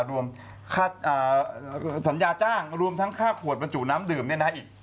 รวมสัญญาจ้างรวมทั้งค่าขวดบรรจุน้ำดื่มเนี่ยนะอีก